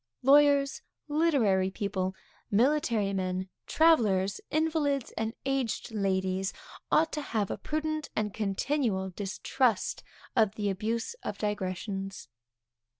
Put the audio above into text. Lawyers, literary people, military men, travellers, invalids and aged ladies, ought to have a prudent and continual distrust of the abuse of digressions.